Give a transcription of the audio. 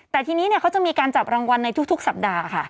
แต่ทีนี้เขาจะมีการจับรางวัลในทุกสัปดาห์ค่ะ